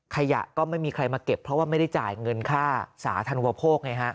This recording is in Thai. ขยะก็ไม่มีใครมาเก็บเพราะว่าไม่ได้จ่ายเงินค่าสาธารณวโภคไงฮะ